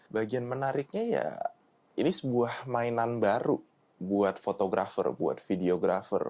bagian menariknya ya ini sebuah mainan baru buat fotografer buat videographer